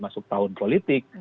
masuk tahun politik